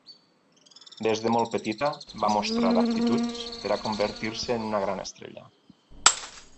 Des de molt petita va mostrar aptituds per a convertir-se en una gran estrella.